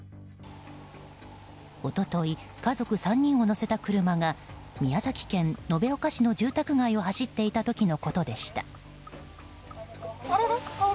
一昨日、家族３人を乗せた車が宮崎県延岡市の住宅街を走っていた時のことでした。